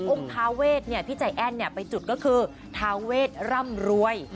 อุ้มทาเวสเนี่ยพี่ใจแอ้นเนี่ยไปจุดก็คือทาเวสร่ำรวย